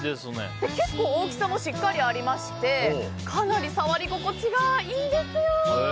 結構大きさもしっかりありましてかなり触り心地がいいんですよ。